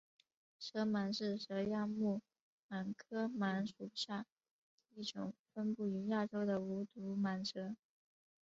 球蟒是蛇亚目蟒科蟒属下一种分布于非洲的无毒蟒蛇。